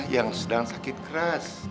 yang sedang sakit keras